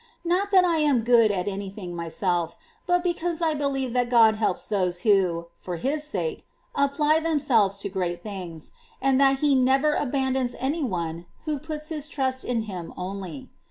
Not that I am good for any thing myself, but because I believe that God helps those who, for His sake, apply themselves to great things, and that He never abandons any one who puts his trust in Him only.